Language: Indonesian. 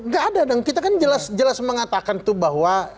tidak ada kita kan jelas mengatakan bahwa